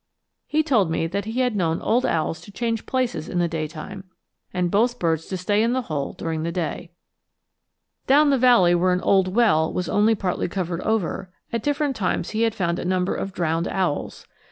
He told me that he had known old owls to change places in the daytime, and both birds to stay in the hole during the day. Down the valley, where an old well was only partly covered over, at different times he had found a number of drowned owls.